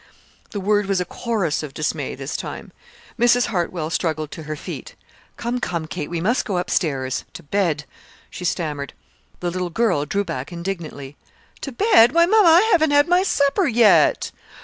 The word was a chorus of dismay this time. Mrs. Hartwell struggled to her feet. "Come, come, Kate, we must go up stairs to bed," she stammered. The little girl drew back indignantly. "To bed? Why, mama, I haven't had my supper yet!"